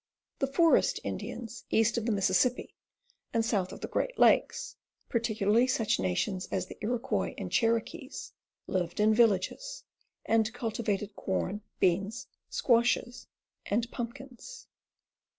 The "forest Indians" east of the Mississippi and south of the Great Lakes, particularly such nations as the Iro quois and Cherokees, lived in villages and cultivated corn, beans, squashes and pumpkins.